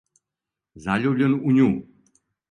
Заљубљен у њу!